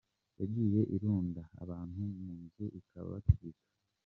Yagiye irunda abantu mu nzu ikabatwika.